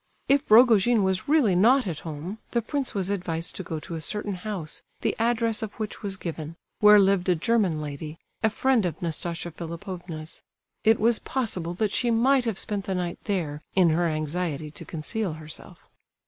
If Rogojin was really not at home, the prince was advised to go to a certain house, the address of which was given, where lived a German lady, a friend of Nastasia Philipovna's. It was possible that she might have spent the night there in her anxiety to conceal herself.